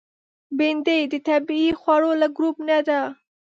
بېنډۍ د طبیعي خوړو له ګروپ نه ده